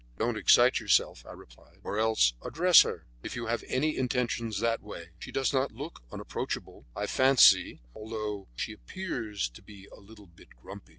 "Don't excite yourself," I replied, "or else address her, if you have any intentions that way. She does not look unapproachable; I fancy, although she appear to be a little bit grumpy."